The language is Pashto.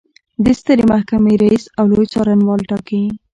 د سترې محکمې رئیس او لوی څارنوال ټاکي.